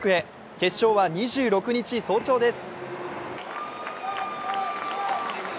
決勝は２６日早朝です。